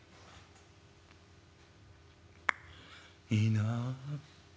「いいなあ。